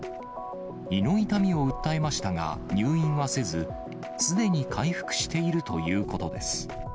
胃の痛みを訴えましたが、入院はせず、すでに回復しているということです。